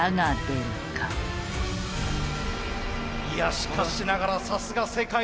いやしかしながらさすが世界のＴです。